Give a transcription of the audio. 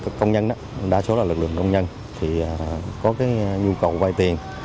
nông nhân đó đa số là lực lượng nông nhân thì có cái nhu cầu vai tiền